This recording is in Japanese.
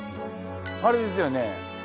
あれですよね？